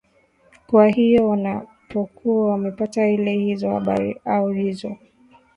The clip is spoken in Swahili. kwa hiyo wanapokuwa wamepata ile hizo habari au hizo